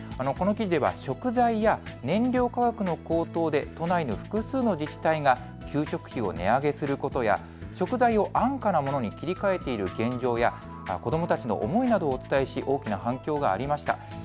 この記事では食材や燃料価格の高騰で都内の複数の自治体が給食費を値上げすることや食材を安価なものに切り替えている現状や子どもたちの思いなどをお伝えし大きな反響がありました。